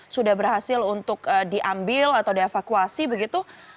sudah berhasil untuk diambil atau dievakuasi begitu